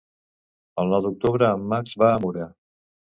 El nou d'octubre en Max va a Mura.